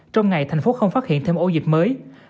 trong ngày thành phố không phát hiện thêm ổ dịch mới